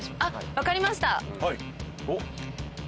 分かりました！